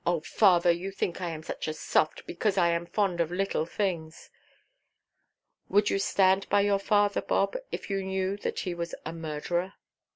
Oh, father, you think I am such a soft, because I am fond of little things." "Would you stand by your father, Bob, if you knew that he was a murderer?"